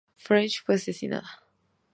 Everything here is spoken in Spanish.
French fue asesinada.